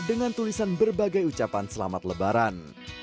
dengan tulisan berbagai ucapan selamat lebaran